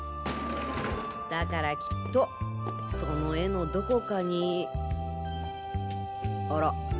だからきっとその絵のどこかにあら。